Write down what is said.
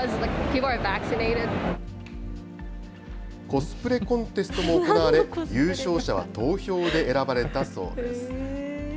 コスプレコンテストも行われ、優勝者は投票で選ばれたそうです。